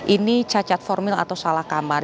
ini cacat formil atau salah kamar